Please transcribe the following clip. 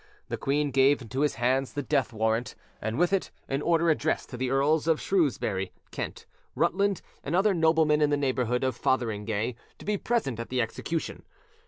The queen gave into his hands the death warrant, and with it an order addressed to the Earls of Shrewsbury, Kent, Rutland, and other noblemen in the neighbourhood of Fotheringay, to be present at the execution.